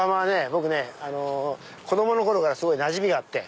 僕ね子供の頃からすごいなじみがあって。